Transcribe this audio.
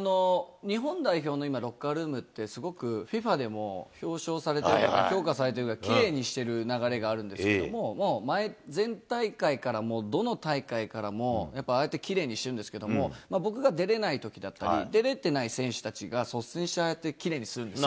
日本代表の今、ロッカールームって、すごくＦＩＦＡでも表彰されて、評価されているぐらいきれいにしている流れがあるんですけれども、前大会から、どの大会からも、ああやってきれいにしてるんですけど、僕が出れないときだったり、出れてない選手たちが率先してああやってきれいにするんです。